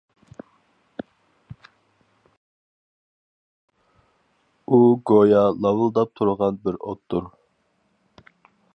ئۇ گويا لاۋۇلداپ تۇرغان بىر ئوتتۇر.